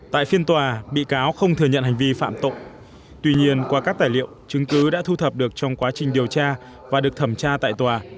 tại phiên tòa bị cáo không thừa nhận hành vi phạm tội tuy nhiên qua các tài liệu chứng cứ đã thu thập được trong quá trình điều tra và được thẩm tra tại tòa